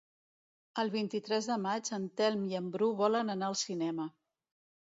El vint-i-tres de maig en Telm i en Bru volen anar al cinema.